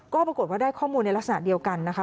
ก็ปรากฏว่าได้ข้อมูลในลักษณะเดียวกันนะคะ